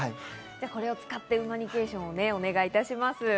これを使って馬ニケーションをお願いします。